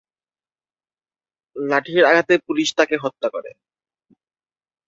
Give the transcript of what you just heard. লাঠির আঘাতে পুলিস তাকে হত্যা করে।